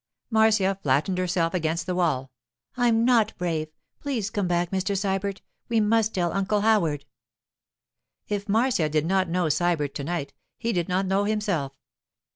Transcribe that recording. Marcia flattened herself against the wall. 'I'm not brave. Please come back, Mr. Sybert. We must tell Uncle Howard.' If Marcia did not know Sybert to night, he did not know himself.